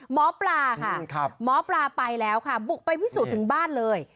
หมอปลาค่ะหมอปลาไปแล้วค่ะบุกไปพิสูจน์ถึงบ้านเลย